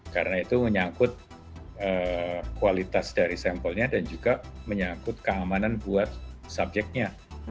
karena itu menyangkut kualitas dari sampelnya dan juga menyangkut keamanan buat subyeknya